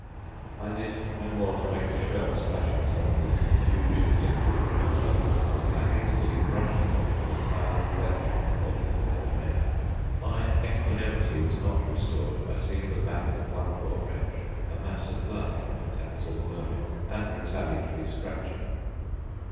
I did no more than make a show of splashing some of this dubious liquid at myself, while I hastily brushed it off with a towel wet from the bodies of other men. My equanimity was not restored by seeing the back of one poor wretch a mass of blood from attacks of vermin and retaliatory scratching.